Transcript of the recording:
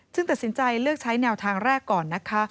ตัดสินใจเลือกใช้แนวทางแรกก่อนนะคะ